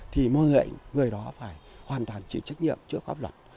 thì mong nhận người đó phải hoàn toàn chịu trách nhiệm chữa pháp luật